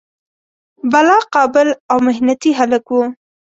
بلا قابل او محنتي هلک و.